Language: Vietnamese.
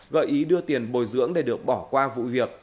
gợi ý đưa tiền bồi dưỡng để được bỏ qua vụ việc